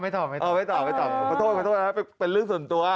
ไม่ตอบออไม่ตอบผัตโทษเป็นเรื่องส่วนตัว